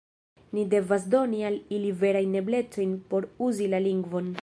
Ni devas doni al ili verajn eblecojn por uzi la lingvon.